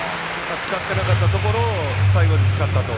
使ってなかったところを最後に使ったと。